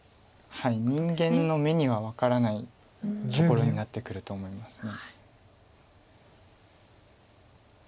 はい人間の目には分からないところになってくると思います。